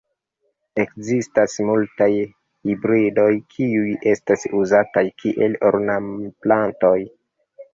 Ekzistas multaj hibridoj, kiuj estas uzataj kiel ornamplantoj.